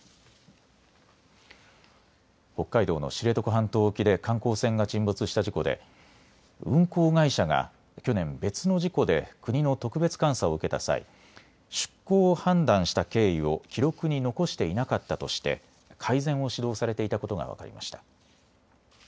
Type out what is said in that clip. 北海道の知床半島沖で観光船が沈没した事故で運航会社が去年、別の事故で国の特別監査を受けた際、出航を判断した経緯を記録に残していなかったとして改善を指導されていたことが分かりました。